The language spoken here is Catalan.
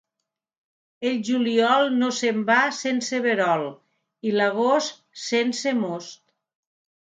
El juliol no se'n va sense verol, i l'agost, sense most.